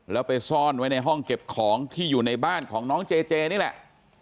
แล้วไปซ่อนไว้ในห้องเก็บของที่อยู่ในบ้านของน้องเจเจนี่แหละ